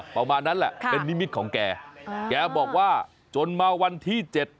ประมาณนั้นแหละเป็นนิมิตของแกแกบอกว่าจนมาวันที่เจ็ด